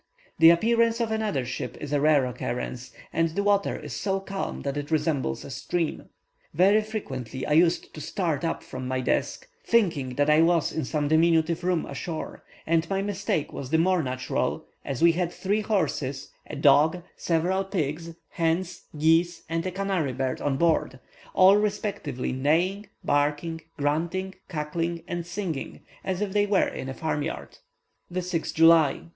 The appearance of another ship is a rare occurrence; and the water is so calm that it resembles a stream. Very frequently I used to start up from my desk, thinking that I was in some diminutive room ashore; and my mistake was the more natural, as we had three horses, a dog, several pigs, hens, geese, and a canary bird on board, all respectively neighing, barking, grunting, cackling, and singing, as if they were in a farm yard. 6th July.